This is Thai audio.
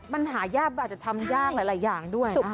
มันหายากมันอาจจะทำยากหลายอย่างด้วย